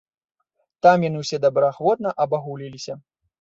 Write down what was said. Там яны ўсе добраахвотна абагуліліся.